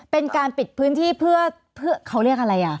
เป็นการปิดพื้นที่เพื่อเขาเรียกอะไรอ่ะ